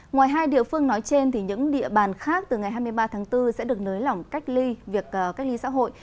ngoài hai địa phương nói trên những địa bàn khác từ ngày hai mươi ba tháng bốn sẽ được nới lỏng cách ly xã hội